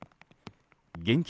現金